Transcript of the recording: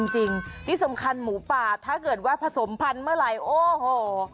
จริงที่สำคัญหมูป่าถ้าเกิดว่าผสมพันธุ์เมื่อไหร่โอ้โห